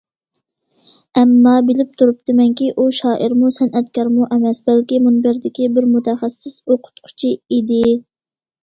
ئەمما بىلىپ تۇرۇپتىمەنكى ئۇ شائىرمۇ، سەنئەتكارمۇ ئەمەس، بەلكى مۇنبەردىكى بىر مۇتەخەسسىس ئوقۇتقۇچى ئىدى.